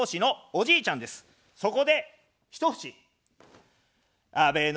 そこで、一節。